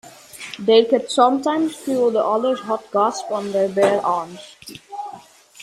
They could sometimes feel the other's hot gasps on their bare arms.